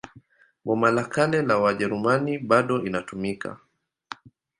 Boma la Kale la Wajerumani bado inatumika.